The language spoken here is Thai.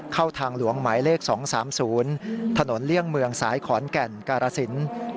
ทางหลวงหมายเลข๒๓๐ถนนเลี่ยงเมืองสายขอนแก่นการสิน